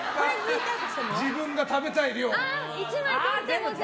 自分が食べたい量。